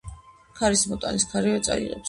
ქარის მოტანილის ქარივე წაიღებსო